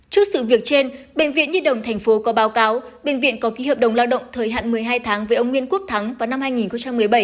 trước sự việc trên bệnh viện nhi đồng tp có báo cáo bệnh viện có ký hợp đồng lao động thời hạn một mươi hai tháng với ông nguyễn quốc thắng vào năm hai nghìn một mươi bảy